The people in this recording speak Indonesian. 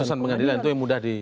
putusan pengadilan itu yang mudah di